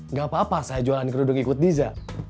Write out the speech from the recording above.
nggak apa apa saya jualan kerudung ikut niza